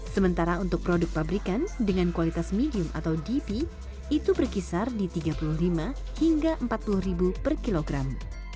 sementara untuk produk pabrikan dengan kualitas medium atau dp itu berkisar di tiga puluh lima hingga rp empat puluh per kilogram